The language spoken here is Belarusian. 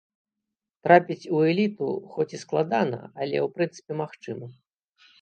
Трапіць у эліту, хоць і складана, але ў прынцыпе магчыма.